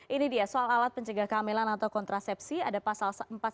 ini dia soal alat pencegah kehamilan atau kontrasepsi ada pasal empat ratus empat belas